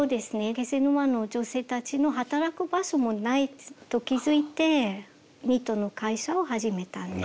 気仙沼の女性たちの働く場所もないと気付いてニットの会社を始めたんです。